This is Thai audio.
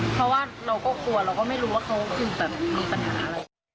เพราะว่าเราก็กลัวเราก็ไม่รู้ว่าเขาถึงแบบมีปัญหาอะไร